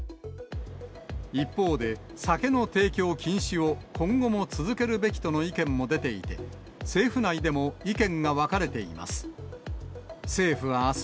一方で、酒の提供禁止を今後も続けるべきとの意見も出ていて、政府内でも意見が分かれています。